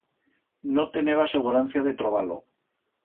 No teneba segurancia de trobar-lo.